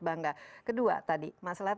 bangga kedua tadi masalah